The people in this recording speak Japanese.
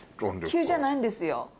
急じゃないんですよ。